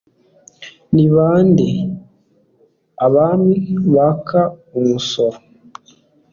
ni ba nde abami baka umusoro